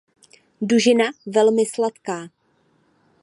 Dužnina velmi sladká.